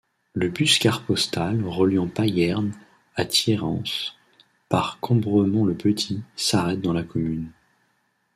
Le bus CarPostal reliant Payerne à Thierrens par Combremont-le-Petit s'arrête dans la commune.